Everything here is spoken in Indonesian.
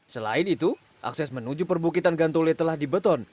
selain itu akses menuju perbukitan gantole telah dibeton